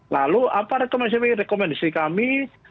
lalu apa rekomendasi kami